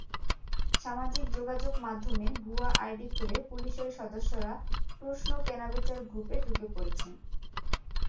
সামাজিক যোগাযোগমাধ্যমে ভুয়া আইডি খুলে পুলিশের সদস্যরা প্রশ্ন কেনাবেচার গ্রুপে ঢুকে পড়ছেন।